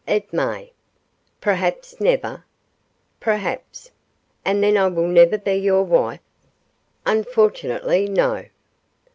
'It may.' 'Perhaps never?' 'Perhaps!' 'And then I will never be your wife?' 'Unfortunately, no.